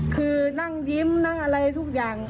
คือนั่งยิ้มนั่งอะไรทุกอย่าง